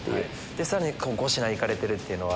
さらに５品いかれてるっていうのは。